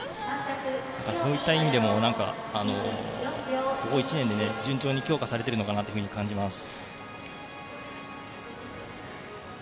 そういった意味でもここ１年で順調に強化されていると感じます。